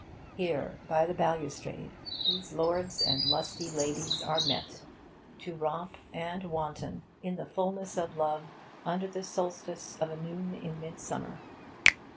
Here, by the balustrade, these lords and lusty ladies are met to romp and wanton in the fulness of love, under the solstice of a noon in midsummer.